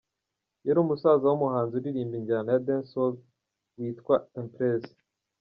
yari musaza wumuhanzi uririmba injyana ya Dance hall witwa Empress.